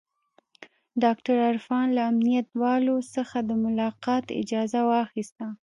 ډاکتر عرفان له امنيت والاو څخه د ملاقات اجازه واخيسته.